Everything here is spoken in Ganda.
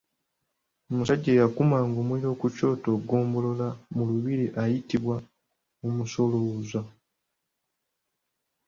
Omusajja eyakumanga omuliro ku kyoto Ggombolola mu lubiri ayitibwa Omusolooza.